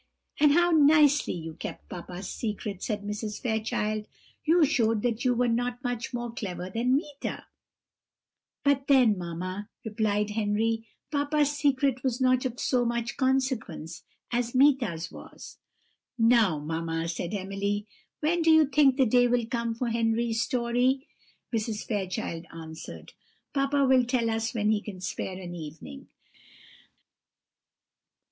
"And how nicely you kept papa's secret!" said Mrs. Fairchild; "you showed that you were not much more clever than Meeta." "But then, mamma," replied Henry, "papa's secret was not of so much consequence as Meeta's was." "Now, mamma," said Emily, "when do you think the day will come for Henry's story?" Mrs. Fairchild answered: "Papa will tell us when he can spare an evening."